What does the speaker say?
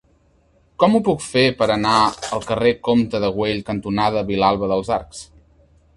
Com ho puc fer per anar al carrer Comte de Güell cantonada Vilalba dels Arcs?